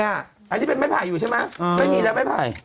อันนี้เป็นไม้ไผ่อยู่ใช่ไหมไม่มีแล้วไม้ไผ่